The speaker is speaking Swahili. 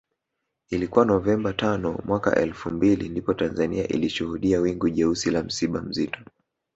Ilikuwa Novemba tano mwaka elfu mbili ndipo Tanzania ilishuhudia wingu jeusi la msiba mzito